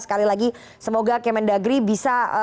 sekali lagi semoga kemendagri bisa